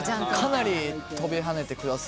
かなり跳びはねてくださって。